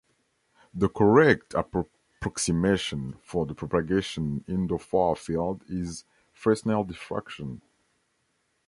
The correct approximation for the propagation in the far field is Fresnel diffraction.